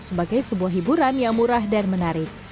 sebagai sebuah hiburan yang murah dan menarik